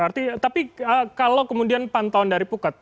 artinya tapi kalau kemudian pantauan dari pukat